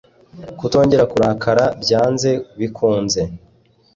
Kutongera kurakara byanze bikunze